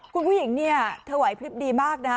คุณผู้หญิงเนี่ยเธอไหวพลิบดีมากนะฮะ